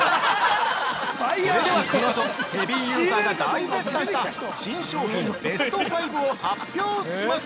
◆それでは、このあとヘビーユーザーが大絶賛した新商品ベスト５を発表します。